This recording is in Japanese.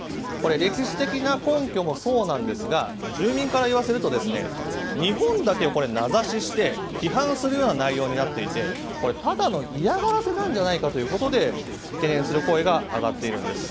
歴史的な根拠もそうなんですが住民から言わせると日本だけを名指しして批判するような内容になっていてただの嫌がらせなんじゃないかということで懸念する声が上がっているんです。